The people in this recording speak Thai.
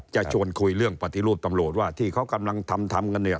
จะชวนคุยเรื่องปฏิรูปตำรวจว่าที่เขากำลังทำทำกันเนี่ย